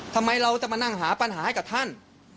ทำไมเราจะมานั่งหาปัญหาให้กับท่าน